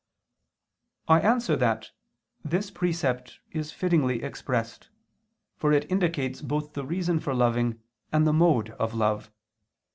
I answer that, This precept is fittingly expressed, for it indicates both the reason for loving and the mode of love.